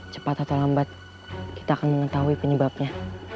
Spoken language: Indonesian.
cepat atau lambat kita akan mengetahui penyebabnya